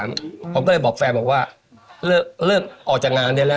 ผมก็เลยบอกแฟนบอกว่าเลิกออกจากงานได้แล้ว